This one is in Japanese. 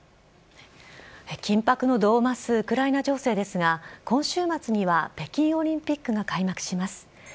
緊迫の度を増すウクライナ情勢ですが、今週末には北京オリンピックが開幕します。